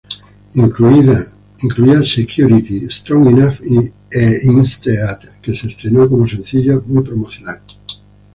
Incluía "Security", "Strong Enough" y "Instead", que se estrenó como sencillos muy promocional.